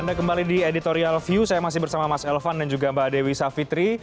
anda kembali di editorial view saya masih bersama mas elvan dan juga mbak dewi savitri